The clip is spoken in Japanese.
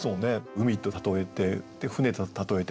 「海」と例えて「船」と例えてますね。